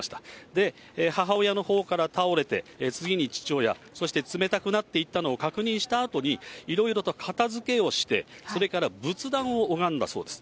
で、母親のほうから倒れて、次に父親、そして冷たくなっていったのを確認したあとに、いろいろと片づけをして、それから仏壇を拝んだそうです。